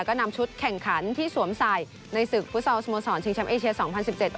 ก็นำชุดแข่งขันที่สวมใส่ในศึกฟุตซอลสโมสรชิงแชมป์เอเชียสองพันสิบเจ็ด